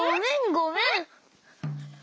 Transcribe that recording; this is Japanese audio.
ごめん。